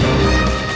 lo sudah bisa berhenti